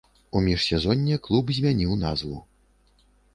У міжсезонне клуб змяніў назву.